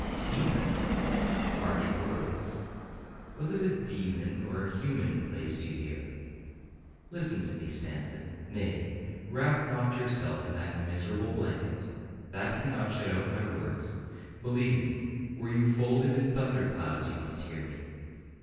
'—'Demon!—Harsh words!—Was it a demon or a human being placed you here?—Listen to me, Stanton; nay, wrap not yourself in that miserable blanket,—that cannot shut out my words. Believe me, were you folded in thunderclouds, you must hear me!